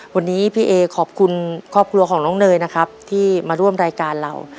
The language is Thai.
วันนี้พี่เอขอบคุณครอบครัวของน้องเนยนะครับที่มาร่วมรายการเรา